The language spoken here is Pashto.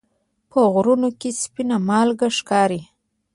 په غرونو کې سپینه مالګه ښکاري.